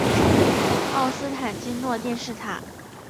奥斯坦金诺电视塔。